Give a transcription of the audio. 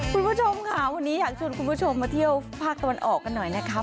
คุณผู้ชมค่ะวันนี้อยากชวนคุณผู้ชมมาเที่ยวภาคตะวันออกกันหน่อยนะครับ